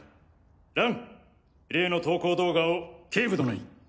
蘭例の投稿動画を警部殿に。